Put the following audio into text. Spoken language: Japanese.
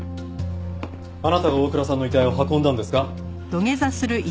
あなたが大倉さんの遺体を運んだんですか？